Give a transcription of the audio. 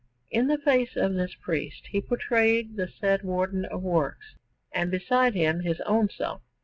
In the face of this priest he portrayed the said Warden of Works, and beside him his own self.